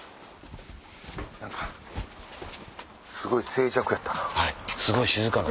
何かすごい静寂やったな。